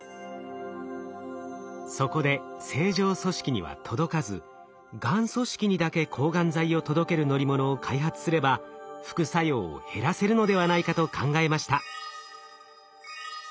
そこで正常組織には届かずがん組織にだけ抗がん剤を届ける乗り物を開発すれば副作用を減らせるのではないかと考えました。